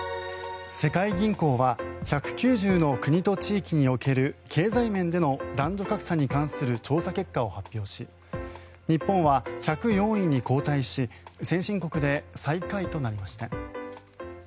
世界銀行は１９０の国と地域における経済面における男女格差の調査結果を発表し日本は１０４位に後退し先進国で最下位となりました。